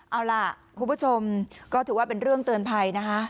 เอาล่ะคุณผู้ชมก็ถือว่าเป็นเรื่องเตือนภัยนะคะ